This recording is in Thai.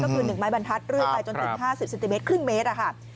ก็คือ๑ไม้บรรทัดเรื่อยไปจนถึง๕๐เซนติเมตรครึ่งเมตรค่ะ